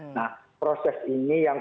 nah proses ini yang